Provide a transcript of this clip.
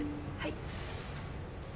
はい。